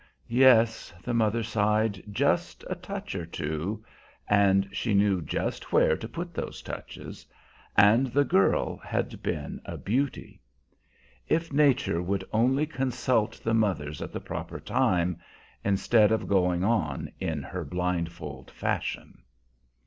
Yes, the mother sighed, just a touch or two, and she knew just where to put those touches, and the girl had been a beauty. If nature would only consult the mothers at the proper time, instead of going on in her blindfold fashion!